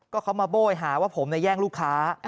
ก็เขามาโบ้ยหาว่าผมแย่งลูกค้า